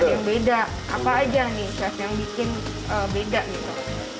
ada yang beda apa aja nih chef yang bikin beda gitu